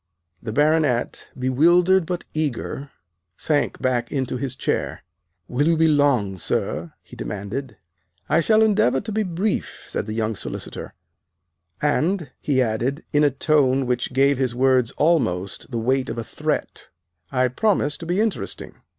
The Baronet, bewildered but eager, sank back into his chair. "Will you be long, sir!" he demanded. "I shall endeavor to be brief," said the young solicitor; "and," he added, in a tone which gave his words almost the weight of a threat, "I promise to be interesting."